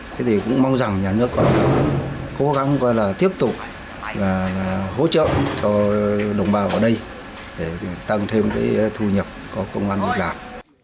thế thì cũng mong rằng nhà nước có cố gắng tiếp tục hỗ trợ cho đồng bào ở đây để tăng thêm thu nhập có công an việc làm